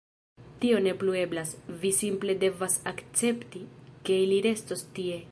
Tio ne plu eblas. Vi simple devas akcepti, ke ili restos tie.